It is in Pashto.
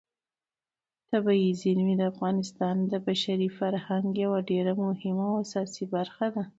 طبیعي زیرمې د افغانستان د بشري فرهنګ یوه ډېره مهمه او اساسي برخه ده.